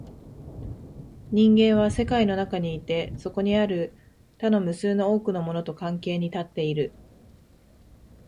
人間は世界の中にいて、そこにある他の無数の多くのものと関係に立っている。